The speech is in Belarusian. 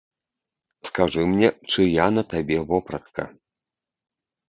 Скажы мне, чыя на табе вопратка?